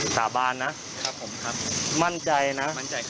สาบานนะมั่นใจนะ